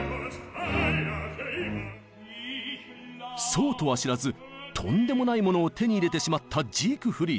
そうとは知らずとんでもないものを手に入れてしまったジークフリート。